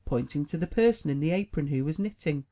pointing to the person in the apron who was knitting.